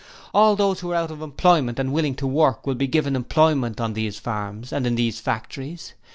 All those who are out of employment and willing to work, will be given employment on these farms and in these factories.